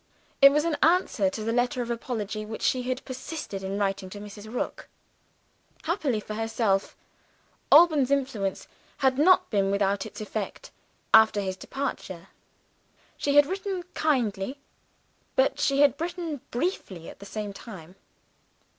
It was an answer to the letter of apology which she had persisted in writing to Mrs. Rook. Happily for herself, Alban's influence had not been without its effect, after his departure. She had written kindly but she had written briefly at the same time.